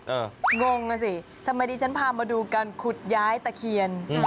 เอองงน่ะสิทำไมที่ฉันพามาดูกันขุดย้ายตะเคียน